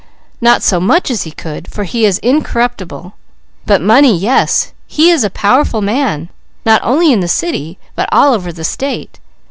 Not so much as he could, for he is incorruptible; but money, yes! He is a powerful man, not only in the city, but all over the state.